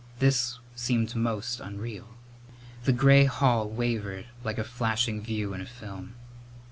This seemed most unreal. The gray hall wavered like a flashing view in a film.